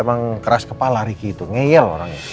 emang keras kepala ricky itu ngeyel orangnya